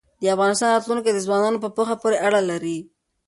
د افغانستان راتلونکی د ځوانانو په پوهه پورې اړه لري.